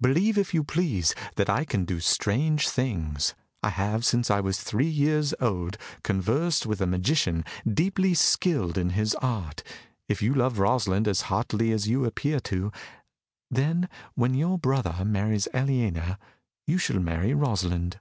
Believe, if you please, that I can do strange things. I have, since I was three years old, conversed with a magician, deeply skilled in his art. If you love Rosalind as heartily as you appear to do, then, when your brother marries Aliena, you shall marry Rosalind.